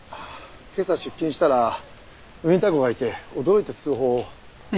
今朝出勤したらウィンター号がいて驚いて通報を。